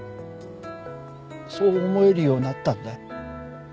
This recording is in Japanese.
そう思えるようになったんだ。